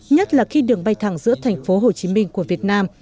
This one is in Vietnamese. nhất là khi đường bay thẳng giữa thành phố hồ chí minh của việt nam